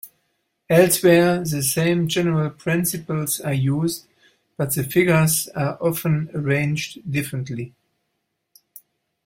Elsewhere, the same general principles are used, but the figures are often arranged differently.